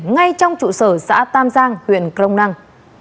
ngay trong trụ sở xã tam giang huyện crong năng